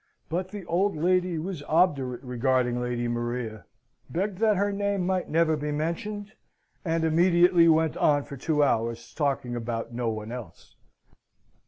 But the old lady was obdurate regarding Lady Maria; begged that her name might never be mentioned, and immediately went on for two hours talking about no one else.